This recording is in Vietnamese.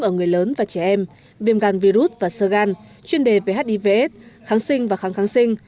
ở người lớn và trẻ em viêm gan virus và sơ gan chuyên đề về hivs kháng sinh và kháng kháng sinh